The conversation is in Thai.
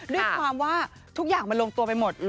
ด้วยความว่าทุกอย่างมันลงตัวไปหมด